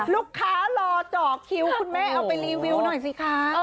รอเจาะคิวคุณแม่เอาไปรีวิวหน่อยสิคะ